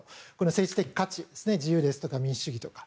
政治的かつ自由ですとか民主主義ですとか。